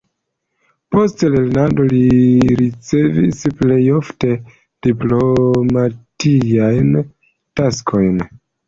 Post lernado li ricevis plej ofte diplomatiajn taskojn.